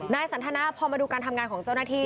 สันทนาพอมาดูการทำงานของเจ้าหน้าที่